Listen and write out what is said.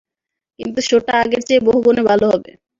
কিন্তু শো টা আগের চেয়ে বহুগুণে ভালো হবে।